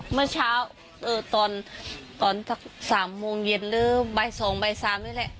เมื่อเช้าตอนสัก๓โมงเย็นหรือบ่าย๒บ่าย๓นี่แหละ